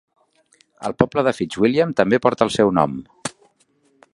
El poble de Fitzwilliam també porta el seu nom.